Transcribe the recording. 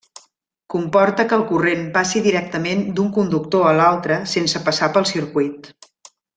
Comporta que el corrent passi directament d'un conductor a l'altre sense passar pel circuit.